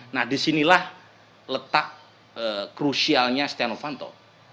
nah disinilah letak krusialnya stianovanto